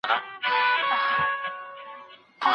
د کمیټو راپورونه څه پایله لري؟